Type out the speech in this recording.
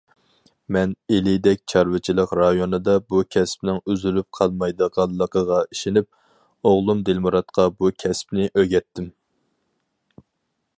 مەن ئىلىدەك چارۋىچىلىق رايونىدا بۇ كەسىپنىڭ ئۈزۈلۈپ قالمايدىغانلىقىغا ئىشىنىپ، ئوغلۇم دىلمۇراتقا بۇ كەسىپنى ئۆگەتتىم.